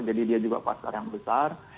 jadi dia juga pasar yang besar